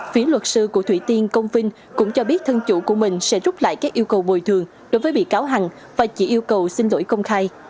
phía luật sư của thủy tiên công vinh cũng cho biết thân chủ của mình sẽ rút lại các yêu cầu bồi thường đối với bị cáo hằng và chỉ yêu cầu xin lỗi công khai